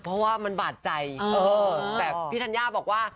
เพราะว่ามันบาดใจแต่พี่ธัญญาบอกว่า